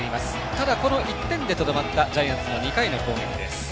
ただ、この１点でとどまったジャイアンツの２回の攻撃。